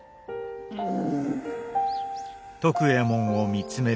うん。